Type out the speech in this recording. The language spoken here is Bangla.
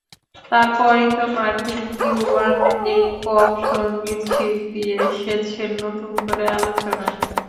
তারপরই তো মার্কিন কিউবান এই পপ সংগীতশিল্পী এসেছেন নতুন করে আলোচনায়।